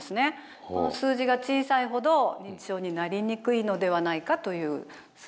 この数字が小さいほど認知症になりにくいのではないかという数字です。